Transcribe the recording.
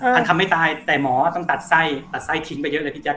ทำคำไม่ตายแต่หมอต้องตัดไส้ตัดไส้ทิ้งไปเยอะเลยพี่แจ